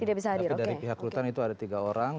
tapi dari pihak rutan itu ada tiga orang